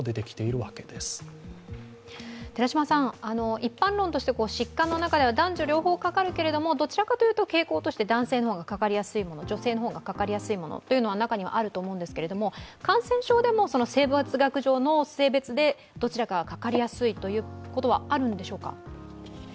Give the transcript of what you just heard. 一般論として疾患の中では男女両方かかるけれどもどちらかというと傾向として男性の方がかかりやすいもの、女性の方がかかりやすいものというのは中にはあると思うんですけれども、感染症でも生物学上の性別でどちらかがかかりやすいということは、あるんでしょうか？